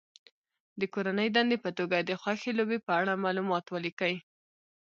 د کورنۍ دندې په توګه د خوښې لوبې په اړه معلومات ولیکي.